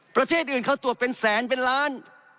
ประเทศอื่นเขาตรวจเป็นแสนเป็นล้าน